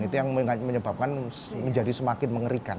itu yang menyebabkan menjadi semakin mengerikan